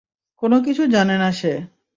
কোন কিছু জানে না সে।